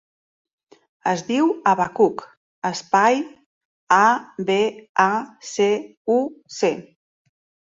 Es diu Abacuc: espai, a, be, a, ce, u, ce.